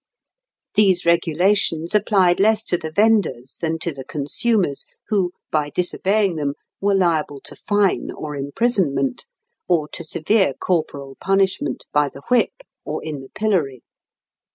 These regulations applied less to the vendors than to the consumers, who, by disobeying them, were liable to fine or imprisonment, or to severe corporal punishment by the whip or in the pillory.